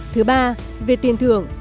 thứ ba về tiền thưởng